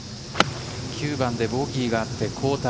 ９番でボギーがあって後退。